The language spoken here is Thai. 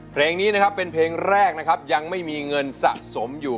เพลงนี้เป็นเพลงแรกยังไม่มีเงินสะสมอยู่